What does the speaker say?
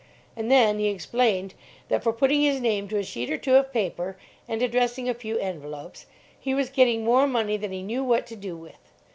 And then he explained that for putting his name to a sheet or two of paper, and addressing a few envelopes, he was getting more money than he knew what to do with.